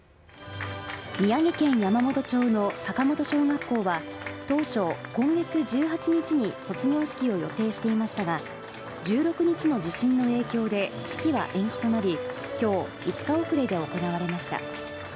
宮城県山元町の坂元小学校は、当初、今月１８日に卒業式を予定していましたが、１６日の地震の影響で式は延期となり、きょう、５日遅れで行われました。